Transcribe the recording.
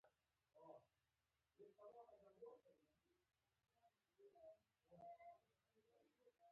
د سیاسي خپلواکۍ ترڅنګ پرمختللي افغانستان.